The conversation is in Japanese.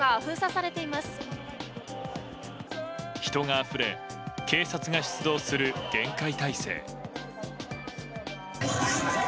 人があふれ警察が出動する厳戒態勢。